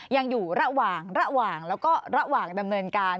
ยังอยู่ระหว่างระหว่างแล้วก็ระหว่างดำเนินการ